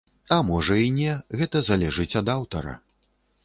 А можа, і не, гэта залежыць ад аўтара.